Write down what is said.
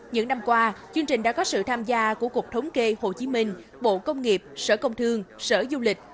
những năm qua chương trình đã có sự tham gia của cục thống kê hồ chí minh bộ công nghiệp sở công thương sở du lịch